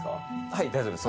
・はい大丈夫です。